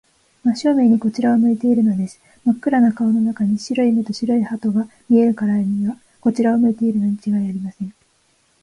真正面にこちらを向いているのです。まっ黒な顔の中に、白い目と白い歯とが見えるからには、こちらを向いているのにちがいありません。